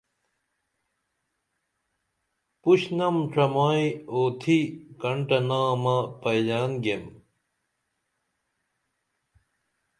پُشنم ڇمائی اوتھی کنٹہ نامہ پئیلان گیم